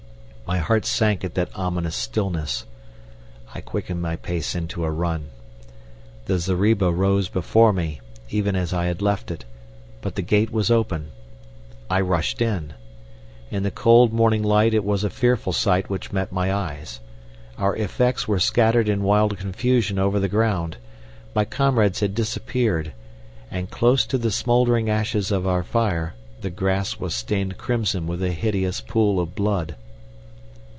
My heart sank at that ominous stillness. I quickened my pace into a run. The zareba rose before me, even as I had left it, but the gate was open. I rushed in. In the cold, morning light it was a fearful sight which met my eyes. Our effects were scattered in wild confusion over the ground; my comrades had disappeared, and close to the smouldering ashes of our fire the grass was stained crimson with a hideous pool of blood.